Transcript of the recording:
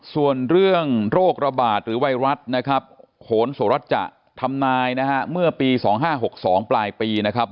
ส่วนเรื่องโรคระบาดหรือไวรัสนะครับโหนโสรัชจะทำนายนะฮะเมื่อปี๒๕๖๒ปลายปีนะครับ